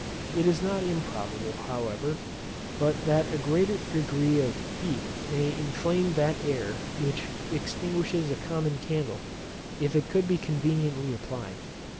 It is not improbable, however, but that a greater degree of heat may inflame that air which extinguishes a common candle, if it could be conveniently applied.